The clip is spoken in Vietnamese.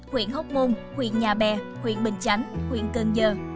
huyện hốc môn huyện nhà bè huyện bình chánh huyện cơn giờ